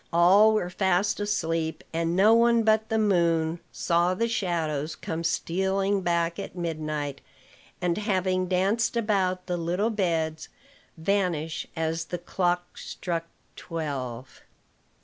All were fast asleep; and no one but the moon saw the shadows come stealing back at midnight, and, having danced about the little beds, vanish as the clock struck twelve.